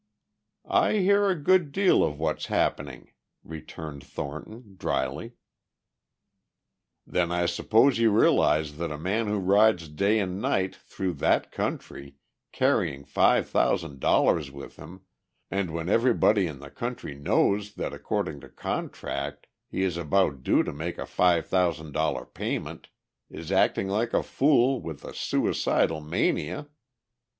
"I hear a good deal of what's happening," returned Thornton drily. "Then I suppose you realize that a man who rides day and night, through that country, carrying five thousand dollars with him, and when everybody in the country knows that according to contract he is about due to make a five thousand dollar payment, is acting like a fool with a suicidal mania?"